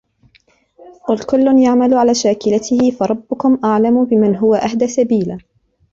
قُلْ كُلٌّ يَعْمَلُ عَلَى شَاكِلَتِهِ فَرَبُّكُمْ أَعْلَمُ بِمَنْ هُوَ أَهْدَى سَبِيلًا